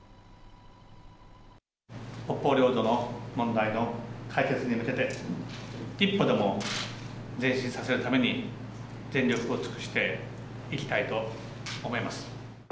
北方領土の問題の解決に向けて、一歩でも前進させるために、全力を尽くしていきたいと思います。